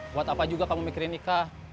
buat apa juga kamu mikirin nikah